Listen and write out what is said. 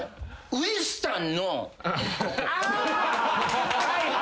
ウエスタンのここ。